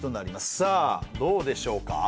さあどうでしょうか？